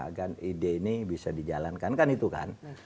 agar ide ini bisa dijalankan kan itu kan